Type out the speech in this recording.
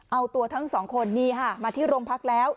เอาตัวทั้งสองคนนี่ค่ะมาที่โรงพักแล้ว